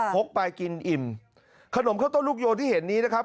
พกไปกินอิ่มขนมข้าวต้มลูกโยนที่เห็นนี้นะครับ